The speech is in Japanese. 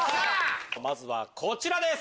まずはこちらです。